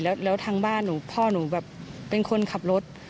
แล้วทางบ้านหนูพ่อหนูแบบเป็นคนขับรถ